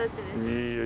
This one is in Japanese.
いいよ